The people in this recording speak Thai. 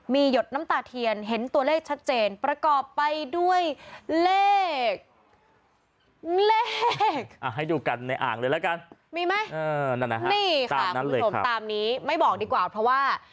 มีไหมนี่ค่ะคุณผู้ชมตามนี้ไม่บอกดีกว่าเพราะว่า